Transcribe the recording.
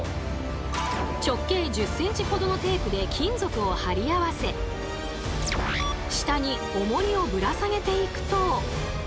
直径１０ｃｍほどのテープで金属を貼り合わせ下におもりをぶら下げていくと。